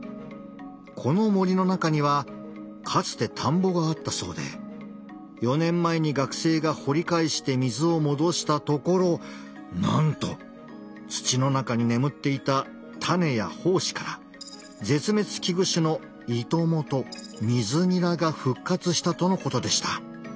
この森の中にはかつて田んぼがあったそうで４年前に学生が掘り返して水を戻したところなんと土の中に眠っていた種や胞子から絶滅危惧種のイトモとミズニラが復活したとのことでした。